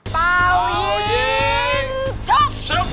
ตามโชคตามโชค